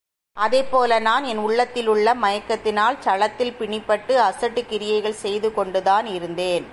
அதைப் போல நான் என் உள்ளத்திலுள்ள மயக்கத்தினால் சளத்தில் பிணிபட்டு அசட்டுக் கிரியைகள் செய்து கொண்டுதான் இருந்தேன்.